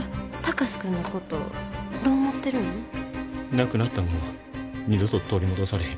なくなったもんは二度と取り戻されへん。